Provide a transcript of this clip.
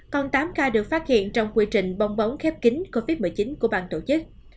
còn tám ca được phát hiện trong quy trình bong bóng khép kính covid một mươi chín của bang tổ chức